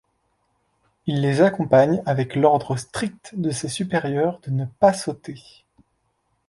Il les accompagne avec l’ordre strict de ses supérieurs de ne pas sauter.